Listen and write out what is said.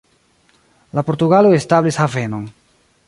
La portugaloj establis havenon.